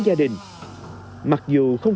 gia đình mặc dù không